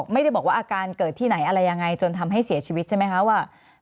ไม่ได้บอกว่าอาการเกิดที่ไหนอะไรยังไงจนทำให้เสียชีวิตใช่ไหมคะว่า